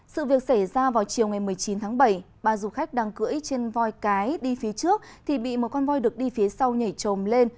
sự việc xảy ra vào chiều ngày một mươi chín tháng bảy ba du khách đang cưỡi trên voi cái đi phía trước thì bị một con voi được đi phía sau nhảy trồm lên